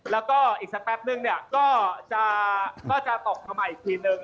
แล้วก็อีกสักแป๊บนึงเนี่ยก็จะตกมาใหม่อีกทีนึง